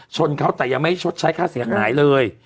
ชนเขาแต่ยังไม่ชดใช้ค่าเสียหายเลย